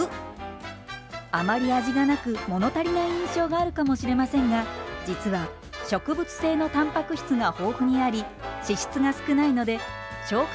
あまり味がなく物足りない印象があるかもしれませんが実は植物性のタンパク質が豊富にあり脂質が少ないので消化